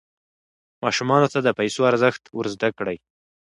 ماشومانو ته د پیسو ارزښت ور زده کړئ.